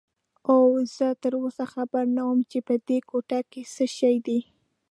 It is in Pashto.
اوه، زه تراوسه خبر نه وم چې په دې کوټه کې څه شی دي.